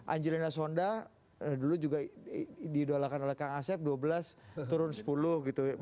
angelina sonda dulu juga didolakan oleh kang asep dua belas turun sepuluh gitu